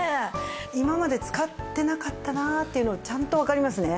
今まで使ってなかったなっていうのちゃんとわかりますね。